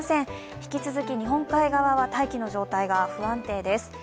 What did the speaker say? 引き続き日本海側は大気の状態が不安定です。